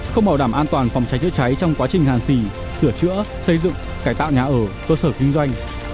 không bảo đảm an toàn phòng cháy chữa cháy trong quá trình hàn xì sửa chữa xây dựng cải tạo nhà ở cơ sở kinh doanh